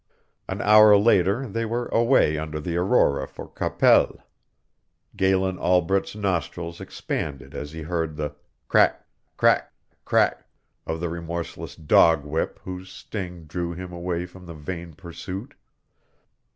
An hour later they were away under the aurora for Qu'Apelle. Galen Albret's nostrils expanded as he heard the crack, crack, crack of the remorseless dog whip whose sting drew him away from the vain pursuit.